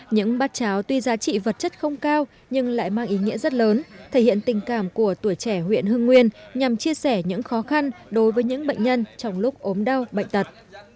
những bát cháo tuy giá trị vật chất không cao nhưng lại mang ý nghĩa rất lớn thể hiện tình cảm của tuổi trẻ huyện hưng nguyên nhằm chia sẻ những khó khăn đối với những bệnh nhân trong lúc ốm đau bệnh tật